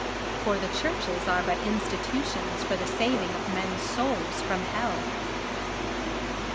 For the Churches are but institutions for the saving of men's souls from hell.